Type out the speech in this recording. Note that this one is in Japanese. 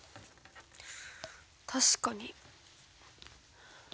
確かに。